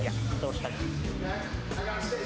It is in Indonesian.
ya betul striking